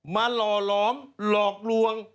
หล่อหลอมหลอกลวง